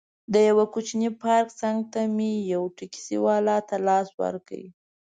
د یوه کوچني پارک څنګ ته مې یو ټکسي والا ته لاس ورکړ.